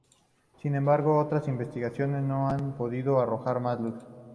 Sin embargo, otras investigaciones no han podido arrojar más luz.